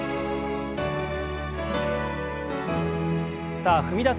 さあ踏み出す